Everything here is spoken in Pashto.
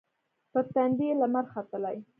پر تندې یې لمر ختلي